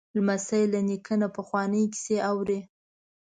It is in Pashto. لمسی له نیکه نه پخوانۍ کیسې اوري.